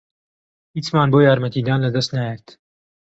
هیچمان بۆ یارمەتیدان لەدەست نایەت.